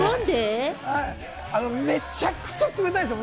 めちゃくちゃ冷たいんですよ。